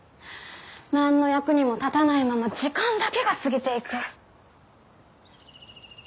なんの役にも立たないまま時間だけが過ぎていく。